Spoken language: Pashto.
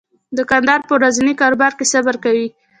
دوکاندار په ورځني کاروبار کې صبر کوي.